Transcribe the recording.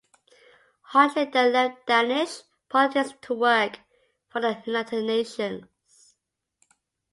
Hartling then left Danish politics to work for the United Nations.